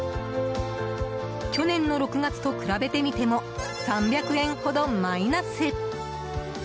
去年の６月と比べてみても３００円ほどマイナス。